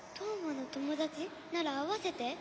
なら会わせて。